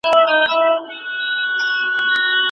شمعه د غوړو استازیتوب کوي.